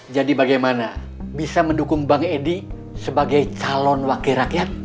jadi bagaimana bisa mendukung bang edi sebagai calon wakil rakyat